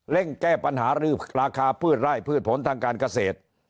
แก้ปัญหารือราคาพืชไร่พืชผลทางการเกษตร